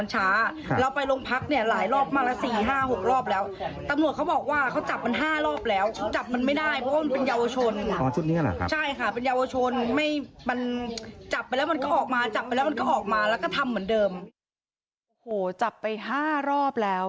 โอ้โหจับไป๕รอบแล้ว